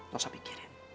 gak usah mikirin